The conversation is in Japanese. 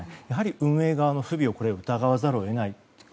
やはり運営側の不備を疑わざるを得ない。